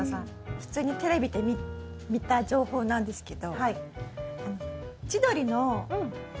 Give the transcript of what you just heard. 普通にテレビで見た情報なんですけど。